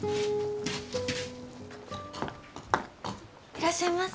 ・いらっしゃいませ。